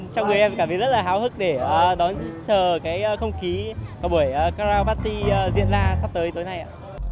trong người em cảm thấy rất là háo hức để đón chờ cái không khí của buổi crowd party diễn ra sắp tới tối nay ạ